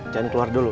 jangan keluar dulu